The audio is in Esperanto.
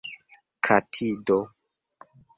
katido